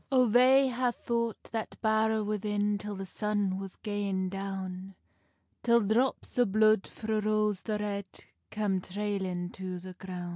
O they hae fought that bowr within Till the sun was gaing down, Till drops o blude frae Rose the Red Cam trailing to the groun.